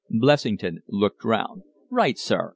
Blessington looked round. "Right, sir!"